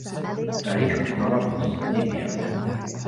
أعيش في طرابلس، ليبيا.